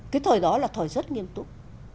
cái thời đó là thời rất nghiêm túc